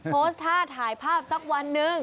โพสต์ท่าถ่ายภาพสักวันหนึ่ง